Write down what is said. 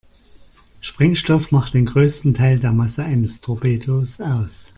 Sprengstoff macht den größten Teil der Masse eines Torpedos aus.